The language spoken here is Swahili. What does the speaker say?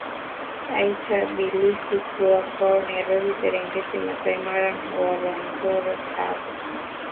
Aitabiliki kuwa kwao Nairobi Serengeti Masai Mara Ngorongoro Tsavo